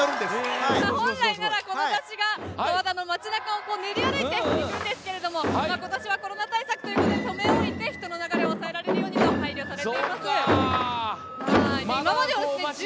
本来なら、この山車が十和田の町を練り歩いていくんですが今年はコロナ対策ということでとめおいて人の流れが抑えられるようにと配慮されています。